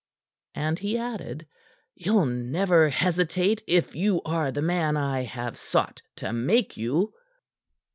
And he added: "You'll never hesitate if you are the man I have sought to make you."